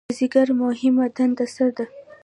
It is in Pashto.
د ځیګر مهمه دنده څه ده؟